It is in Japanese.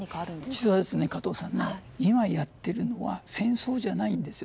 実は加藤さん今やっているのは戦争じゃないんです。